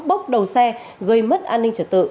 bốc đầu xe gây mất an ninh trở tự